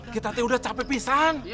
karena kita udah capek pisang